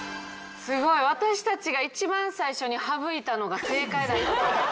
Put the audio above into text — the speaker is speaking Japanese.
すごい。私たちが一番最初に省いたのが正解だったとは。